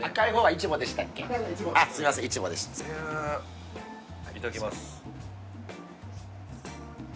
いただきます。